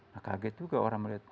nah kaget juga orang melihat